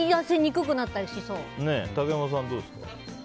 竹山さんはどうですか。